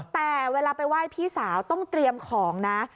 แต่เวลาไปไหว้พี่สาวต้องเตรียมของนะ